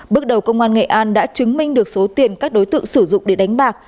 bước đầu công an nghệ an đã chứng minh được số tiền các đối tượng sử dụng để đánh bạc